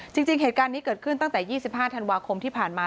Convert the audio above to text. จริงเหตุการณ์นี้เกิดขึ้นตั้งแต่๒๕ธันวาคมที่ผ่านมา